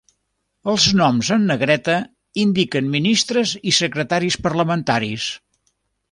Els noms en negreta indiquen ministres i secretaris parlamentaris.